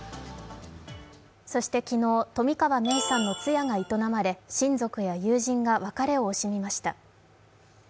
そして昨日、冨川芽生さんの通夜が営まれ、親族や友人が別れを惜しみました。